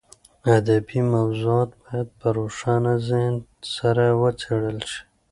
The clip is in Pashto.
ادبي موضوعات باید په روښانه ذهن سره وڅېړل شي.